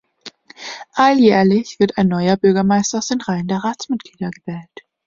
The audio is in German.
Alljährlich wird ein neuer Bürgermeister aus den Reihen der Ratsmitglieder gewählt.